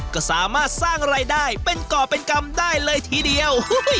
ก็สามารถสร้างรายได้เป็นก่อเป็นกรรมได้เลยทีเดียว